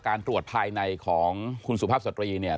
การตรวจภายในของคุณสุภาพสตรีเนี่ย